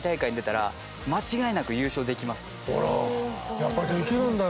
やっぱりできるんだよ。